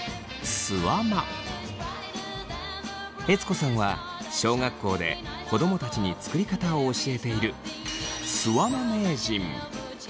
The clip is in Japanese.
悦子さんは小学校で子供たちに作り方を教えているすわま名人！